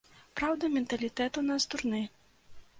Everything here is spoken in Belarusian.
Праўда, менталітэт у нас дурны.